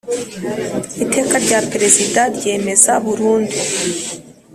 Iteka rya Perezida ryemeza burundu